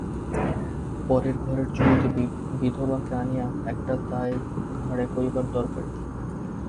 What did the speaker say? পরের ঘরের যুবতী বিধবাকে আনিয়া একটা দায় ঘাড়ে করিবার দরকার কী।